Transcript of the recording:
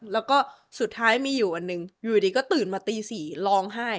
แล้วก็สุดท้ายมีอยู่วันหนึ่งอยู่ดีก็ตื่นมาตี๔ร้องไห้